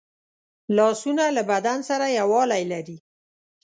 لاسونه له بدن سره یووالی لري